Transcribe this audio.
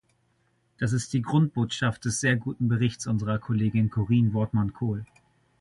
Das ist die Grundbotschaft des sehr guten Berichts unserer Kollegin Corien Wortmann-Kool.